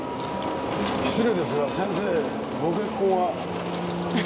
失礼ですが先生ご結婚は？